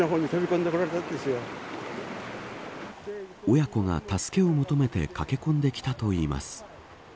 親子が助けを求めて駆け込んできたといいます。